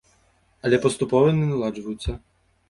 Але паступова яны наладжваюцца.